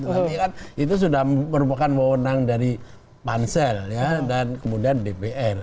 tapi kan itu sudah merupakan mewenang dari pansel dan kemudian dpr